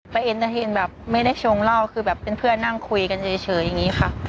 ปะเอ็นจะเห็นแบบไม่ได้ชงเล่าคือแบบเป็นเพื่อนนั่งคุยกันเฉยเฉยอย่างงี้ค่ะ